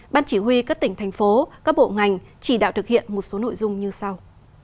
ban chỉ huy các tỉnh thành phố các bộ ngành chỉ đạo thực hiện một số nội dung như sau